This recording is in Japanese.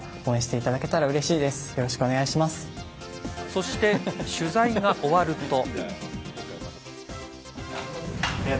そして取材が終わると。